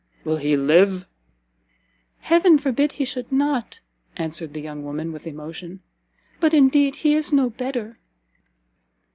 will he live?" "Heaven forbid he should not!" answered the young woman with emotion, "but, indeed, he is no better!"